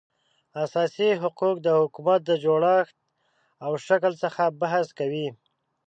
اساسي حقوق د حکومت د جوړښت او شکل څخه بحث کوي